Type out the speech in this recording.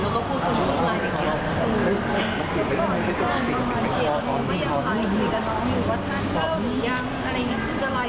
ก็จะบอกแม่แต่เรียนมาเนี่ยปุ๊บครับ